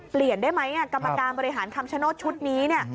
เปลี่ยนได้ไหมกรรมการบริหารคำชะโน่ชุดนี้